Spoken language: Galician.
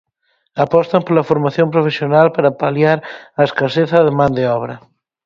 Apostan pola Formación Profesional para paliar a escaseza de man de obra.